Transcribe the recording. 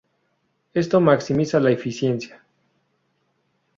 Esto maximiza la eficiencia.